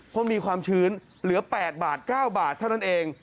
เพราะมีความชื้นเหลือ๘บาท๙บาทเท่านั้นเอง